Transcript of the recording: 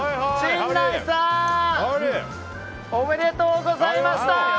陣内さん！おめでとうございました！